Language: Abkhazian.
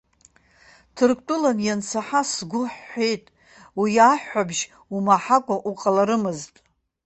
Ҭырқәтәылан иансаҳа сгәы ҳәҳәеит, уи аҳәҳәабжь умаҳакәа уҟаларымызт.